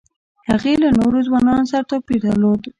هغې له نورو ځوانانو سره توپیر درلود